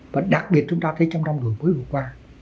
và đặc biệt chúng ta thấy trong năm đổi mới vừa qua